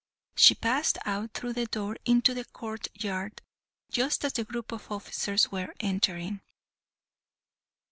She passed out through the door into the courtyard just as the group of officers were entering.